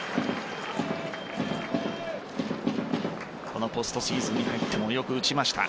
このポストシーズンに入ってもよく打ちました